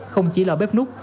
không chỉ là bếp nút